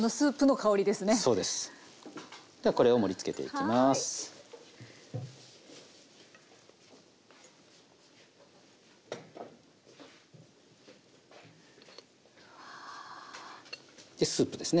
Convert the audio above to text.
でスープですね。